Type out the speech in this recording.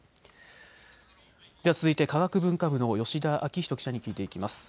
続いて科学文化部の吉田明人記者に聞いていきます。